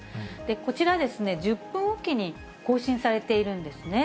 こちら、１０分置きに更新されているんですね。